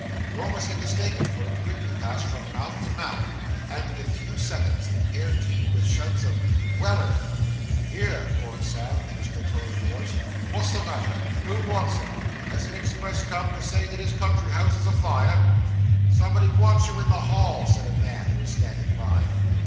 Nor was he mistaken, for it quickly passed from mouth to mouth, and in a few seconds the air teemed with shouts of 'Weller!' Here!' roared Sam, in a stentorian voice. 'Wot's the matter? Who wants him? Has an express come to say that his country house is afire?' 'Somebody wants you in the hall,' said a man who was standing by.